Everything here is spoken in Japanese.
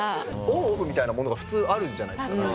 オンオフみたいなものが普通あるじゃないですか。